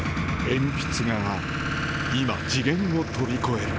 鉛筆画が今次元を飛び越える